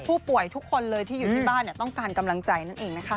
ผู้ป่วยทุกคนเลยที่อยู่ที่บ้านต้องการกำลังใจนั่นเองนะคะ